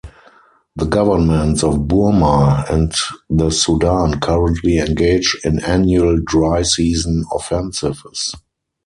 The governments of Burma and the Sudan currently engage in annual dry season offensives.